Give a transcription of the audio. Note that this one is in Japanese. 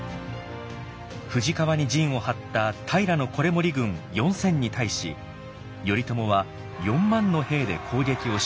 富士川に陣を張った平維盛軍４千に対し頼朝は４万の兵で攻撃を仕掛け勝利。